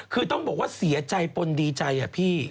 คือต้องบอกว่าเสียใจปนดีใจอะพี่